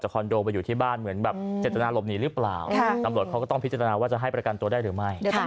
ก็ไม่รู้เหมือนกันว่าจะได้ประกันตัวใช่ไหม